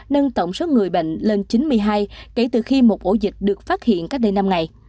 nâng tổng số người bệnh lên chín mươi hai kể từ khi một ổ dịch được phát hiện cách đây năm ngày